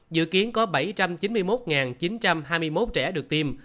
dự kiến có bảy trăm chín mươi một chín trăm hai mươi một trẻ được tiêm